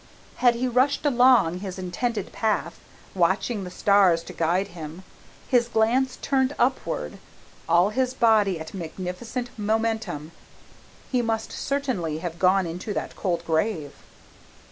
Had he rushed along his intended path, watching the stars to guide him, his glance turned upward, all his body at magnificent momentum, he must certainly have gone into that cold grave.